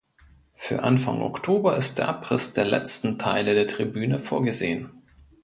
Für Anfang Oktober ist der Abriss der letzten Teile der Tribüne vorgesehen.